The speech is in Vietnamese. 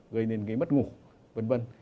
gây nên cái mất ngủ vân vân